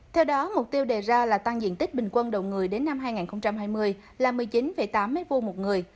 theo đó mục tiêu đề ra là tăng diện tích bình quân đầu người đến năm hai nghìn hai mươi là một mươi chín tám m hai một người